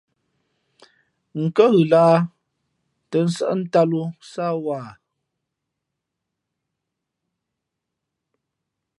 N kάghʉ lahā tᾱ nsάʼ ntāt lō sáá wāha ?